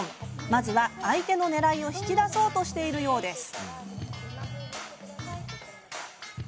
まずは相手のねらいを引き出そうとしているようです。